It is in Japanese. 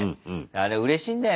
あれうれしいんだよね。